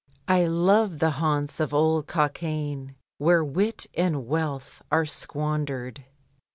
I love the haunts of old Cockaigne, Where wit and wealth were squandered.